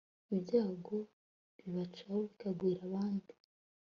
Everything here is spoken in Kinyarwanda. ibyago bibacaho bikagwira abandi